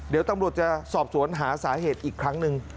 เดี๋ยวตำรวจจะสอบสวนหาสาเหตุอีกครั้งหนึ่ง